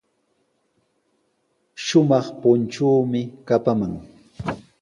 Shumaq punchuumi kapaman.